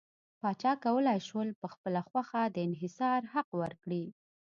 پاچا کولای شول په خپله خوښه د انحصار حق ورکړي.